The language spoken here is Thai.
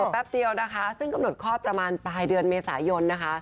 แป๊บเดียวนะคะซึ่งกำหนดคลอดประมาณปลายเดือนเมษายนนะคะ